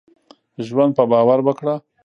ژوند په باور وکړهٔ.